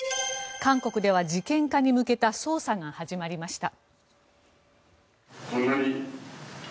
韓国では事件化に向けた捜査が始まりました。